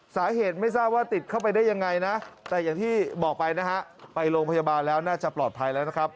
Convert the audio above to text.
ไม่ทราบว่าติดเข้าไปได้ยังไงนะแต่อย่างที่บอกไปนะฮะไปโรงพยาบาลแล้วน่าจะปลอดภัยแล้วนะครับ